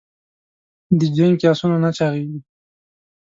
د جنګ کې اسونه نه چاغېږي.